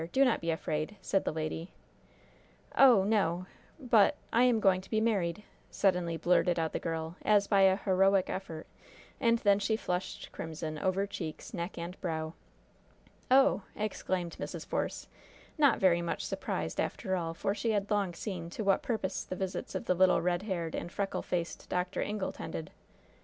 Do not be afraid," said the lady. "Oh, no but I am going to be married!" suddenly blurted out the girl, as by a heroic effort, and then she flushed crimson over cheeks, neck and brow. "Oh!" exclaimed Mrs. Force, not very much surprised, after all, for she had long seen to what purpose the visits of the little, red haired and freckle faced Dr. Ingle tended.